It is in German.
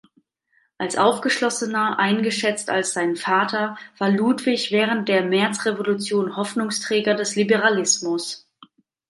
Als aufgeschlossener eingeschätzt als sein Vater, war Ludwig während der Märzrevolution Hoffnungsträger des Liberalismus.